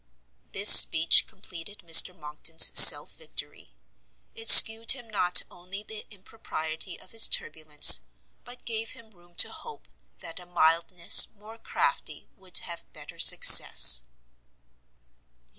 This speech completed Mr Monckton's self victory; it shewed him not only the impropriety of his turbulence, but gave him room to hope that a mildness more crafty would have better success.